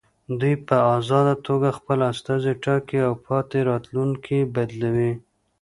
دوی په ازاده توګه خپل استازي ټاکي او پاتې راتلونکي بدلوي.